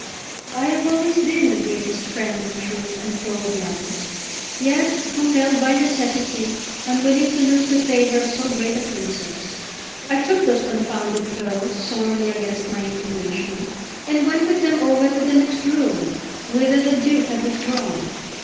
I have always been the greatest friend of truth and foe of lies: yet compelled by necessity, unwilling to lose the favour of so great a princess, I took those confounded pearls sorely against my inclination, and went with them over to the other room, whither the Duke had withdrawn.